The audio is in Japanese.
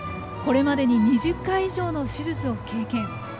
これまでに２０回以上の手術を経験。